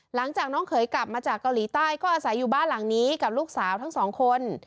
หลังจากน้องเขยกลับมาจากเกาหลีใต้ก็อาศัยอยู่บ้านหลังนี้กับลูกสาวทั้งสองคน